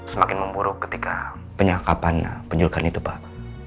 semakin memburuk ketika penyakapan penyukaan itu pak